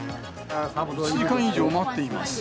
１時間以上待っています。